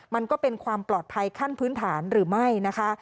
มันก็เป็นความปลอดภัยขั้นพื้นฐานหรือไม่นะคะ